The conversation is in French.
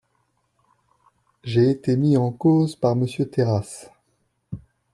J’ai été mis en cause par Monsieur Terrasse.